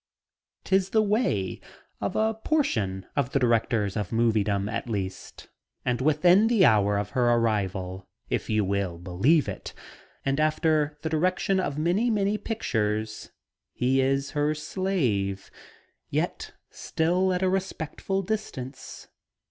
'Tis the way of a portion of the directors of moviedom, at least. And within the hour of her arrival, if you will believe it, and after the direction of many, many pictures, he is her slave, yet still at a respectful distance.